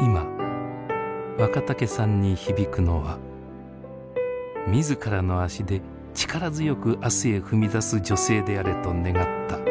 今若竹さんに響くのは自らの足で力強く明日へ踏み出す女性であれと願った